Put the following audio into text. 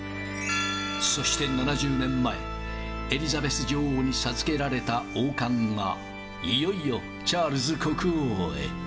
そして７０年前、エリザベス女王に授けられた王冠が、いよいよ、チャールズ国王へ。